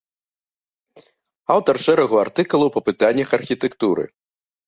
Аўтар шэрагу артыкулаў па пытаннях архітэктуры.